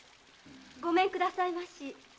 ・ごめんくださいまし。